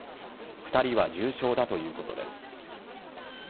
２人は重傷だということです。